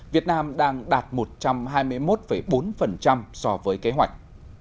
việt nam đang đạt một trăm hai mươi một bốn so với kế hoạch